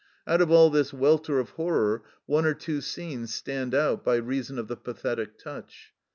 Out of all this welter of horror one or two scenes stand out by reason of the pathetic touch.